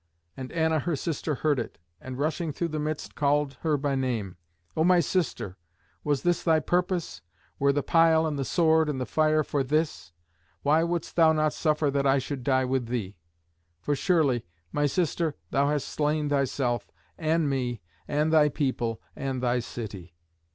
And Anna her sister heard it, and rushing through the midst called her by name, "O my sister, was this thy purpose? Were the pile and the sword and the fire for this? Why wouldst thou not suffer that I should die with thee? For surely, my sister, thou hast slain thyself, and me, and thy people, and thy city.